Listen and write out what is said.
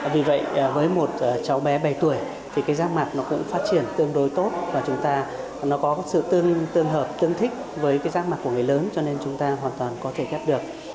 vì vậy với một cháu bé bảy tuổi rác mạc cũng phát triển tương đối tốt và có sự tương hợp tương thích với rác mạc của người lớn cho nên chúng ta hoàn toàn có thể ghép được